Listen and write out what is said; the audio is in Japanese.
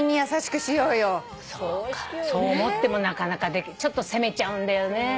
そう思ってもなかなかちょっと責めちゃうんだよね。